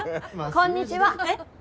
・こんにちは。